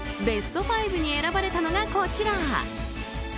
ベスト５に選ばれたのがこちら。